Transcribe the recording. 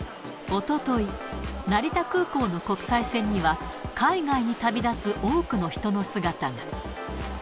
おととい、成田空港の国際線には、海外に旅立つ多くの人の姿が。